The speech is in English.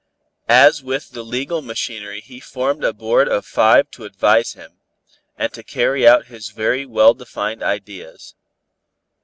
As with the legal machinery he formed a board of five to advise with him, and to carry out his very well defined ideas.